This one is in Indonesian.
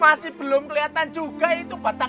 masih belum kelihatan juga itu batang